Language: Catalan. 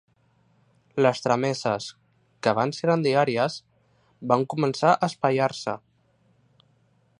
Les trameses, que abans eren diàries, van començar a espaiar-se.